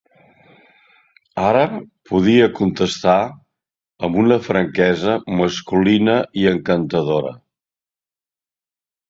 Ara podia contestar amb una franquesa masculina i encantadora.